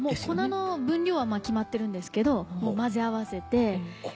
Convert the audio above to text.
粉の分量は決まってるんですけどまぜ合わせて。